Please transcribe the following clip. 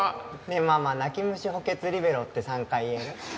ねえママ「泣き虫補欠リベロ」って３回言える？